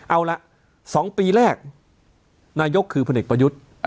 เอาละ๒ปีแรกนายกคือพลเอกประยุทธ์